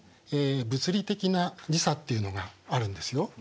物理的な時差っていうのがあるんですよ。